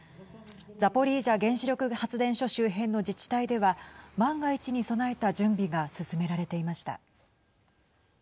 ザポリージャ原子力発電所周辺の自治体では万が一に備えた準備が進められていました。